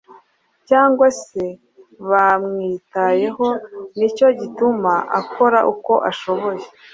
cyangwa se bamwitayeho, nicyo gituma akora uko ashoboye